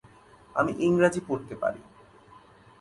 আমি ইংরাজি পরতে পারি।